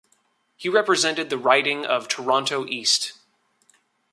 He represented the riding of Toronto East.